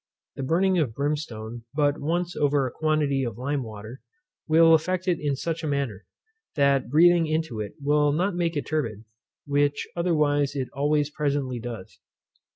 The burning of brimstone but once over a quantity of lime water, will affect it in such a manner, that breathing into it will not make it turbid, which otherwise it always presently does. Dr.